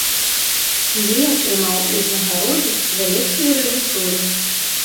Лі атрымаў узнагароду за лепшую рэжысуру.